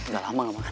gak lama gak makan